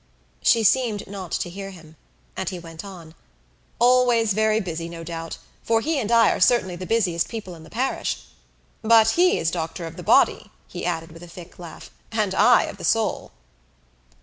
She seemed not to hear him. And he went on "Always very busy, no doubt; for he and I are certainly the busiest people in the parish. But he is doctor of the body," he added with a thick laugh, "and I of the soul."